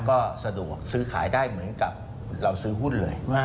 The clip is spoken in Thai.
ก็สะดวกซื้อขายได้เหมือนกับเราซื้อหุ้นเลย